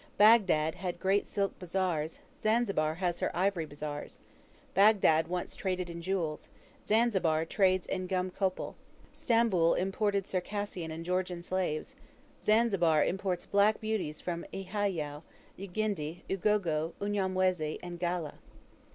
Bagdad had great silk bazaars, Zanzibar has her ivory bazaars; Bagdad once traded in jewels, Zanzibar trades in gum copal; Stamboul imported Circassian and Georgian slaves; Zanzibar imports black beauties from Uhiyow, Ugindo, Ugogo, Unyamwezi and Galla.